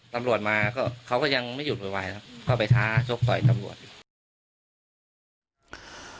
ตำรวจมาก็เขาก็ยังไม่หยุดโวยวายครับเข้าไปท้าชกต่อยตำรวจ